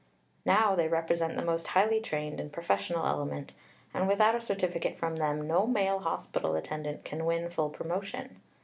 Now they represent the most highly trained and professional element, and without a certificate from them no male hospital attendant can win full promotion!